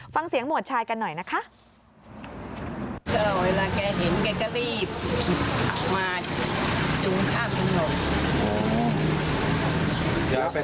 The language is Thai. ฟังเสียงหมวดชายกันหน่อยนะคะ